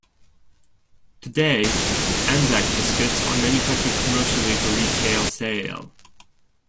Today, Anzac biscuits are manufactured commercially for retail sale.